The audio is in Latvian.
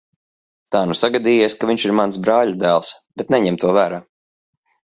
Tā nu sagadījies, ka viņš ir mans brāļadēls, bet neņem to vērā.